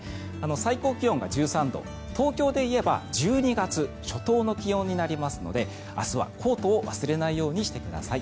最高気温が１３度東京でいえば１２月初頭の気温になりますので明日はコートを忘れないようにしてください。